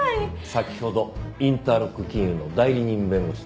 先ほどインターロック金融の代理人弁護士と話しました。